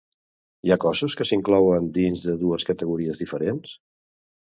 Hi ha cossos que s'inclouen dins de dues categories diferents?